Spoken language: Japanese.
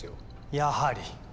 やはり。